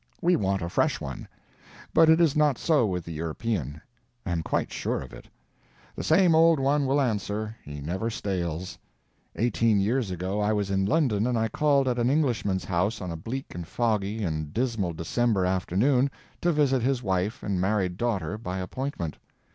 We want a fresh one. But it is not so with the European. I am quite sure of it. The same old one will answer; he never stales. Eighteen years ago I was in London and I called at an Englishman's house on a bleak and foggy and dismal December afternoon to visit his wife and married daughter by appointment.